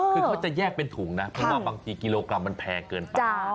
คือเขาจะแยกเป็นถุงนะเพราะว่าบางทีกิโลกรัมมันแพงเกินไป